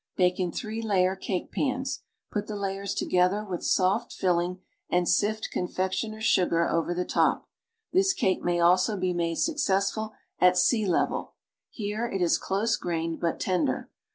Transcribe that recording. Bake in three layer cake pans. Put the layers together with soft filling and sift confectioner's sugar over the top. This cake may also be made successfully at sea level; here it is close grained but tender.